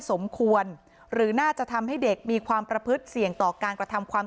สมควรหรือน่าจะทำให้เด็กมีความประพฤติเสี่ยงต่อการกระทำความ